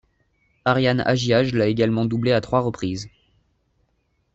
Ariane Aggiage l'a également doublé à trois reprises.